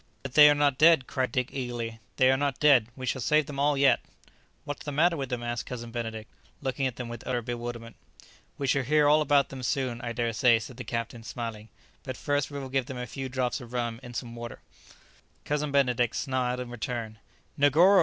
"But they are not dead," cried Dick eagerly; "they are not dead; we shall save them all yet!" "What's the matter with them?" asked Cousin Benedict, looking at them with utter bewilderment. "We shall hear all about them soon, I dare say," said the captain, smiling; "but first we will give them a few drops of rum in some water." Cousin Benedict smiled in return. "Negoro!"